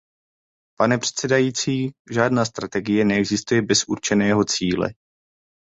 Pane předsedající, žádná strategie neexistuje bez určeného cíle.